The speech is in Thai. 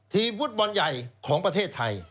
ทีมฟุตบอลใหญ่ของประเทศไทย